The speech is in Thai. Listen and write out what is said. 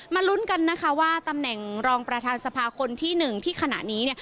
ลุ้นกันนะคะว่าตำแหน่งรองประธานสภาคนที่๑ที่ขณะนี้เนี่ย